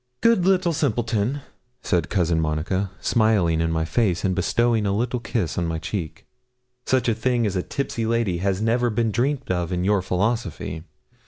'Good little simpleton!' said Cousin Monica, smiling in my face, and bestowing a little kiss on my cheek; 'such a thing as a tipsy lady has never been dreamt of in your philosophy.